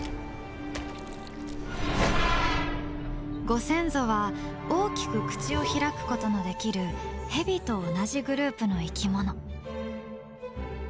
ご先祖は大きく口を開くことのできるヘビと同じグループの生き物。